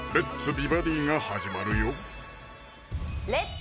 美バディ」が始まるよ「レッツ！